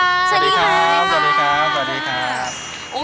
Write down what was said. สวัสดีค่ะสวัสดีค่ะสวัสดีค่ะ